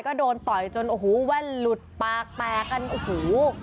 ก็โดนต่อยจนโอ้โหแว่นหลุดปากแตกกันโอ้โห